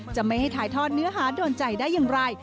จะไม่ให้ถ่ายทอดเนื้อหาโดนใจได้อย่างไร